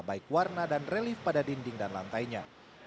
baik warna dan relief pada dinding dan lantainya